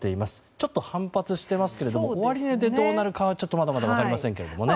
ちょっと反発していますけども終値がどうなるかはちょっとまだまだ分かりませんね。